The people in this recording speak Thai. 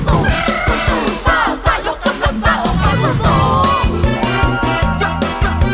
สู้สู้ซ่าซ่ายกำลังซ่าออกมาสู้สู้